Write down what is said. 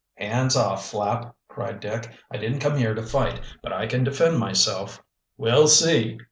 "Hands off, Flapp!" cried Dick. "I didn't come here to fight, but I can defend myself." "We'll see!"